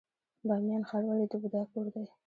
بامیان ښار ولې د بودا کور دی؟